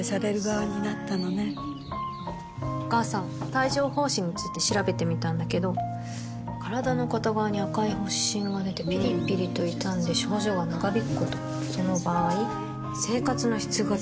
帯状疱疹について調べてみたんだけど身体の片側に赤い発疹がでてピリピリと痛んで症状が長引くこともその場合生活の質が低下する？